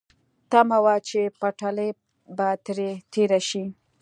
تمه وه چې پټلۍ به ترې تېره شي.